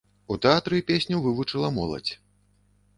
У тэатры песню вывучыла моладзь.